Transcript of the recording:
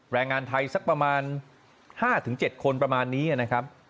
แรงงานไทยสักประมาณ๕๗คนประมาณนี้นะครับ